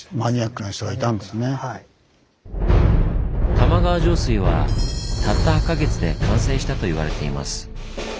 玉川上水はたった８か月で完成したと言われています。